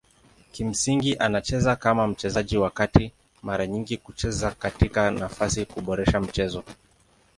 Kimsingi anacheza kama mchezaji wa kati mara nyingi kucheza katika nafasi kuboresha mchezo.